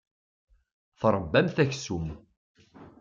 Tṛebbamt aksum.